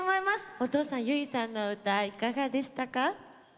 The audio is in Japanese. お父さん、結さんの歌いかがでしたか？